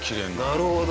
なるほど。